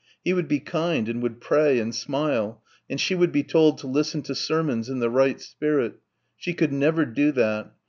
He would be kind and would pray and smile and she would be told to listen to sermons in the right spirit. She could never do that....